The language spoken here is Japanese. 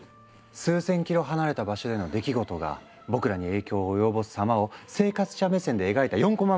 数千キロ離れた場所での出来事が僕らに影響を及ぼす様を生活者目線で描いた４コマ